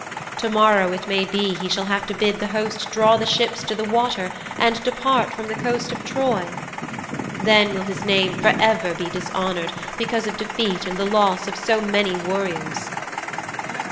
To morrow it may be he shall have to bid the host draw the ships to the water and depart from the coast of Troy. Then will his name forever be dishonoured because of defeat and the loss of so many warriors."'